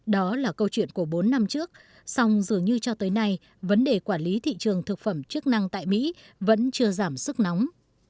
đó là câu chuyện của bốn năm trước song dường như cho tới nay vấn đề quản lý thị trường thực phẩm chức năng tại mỹ vẫn chưa giảm sức nóng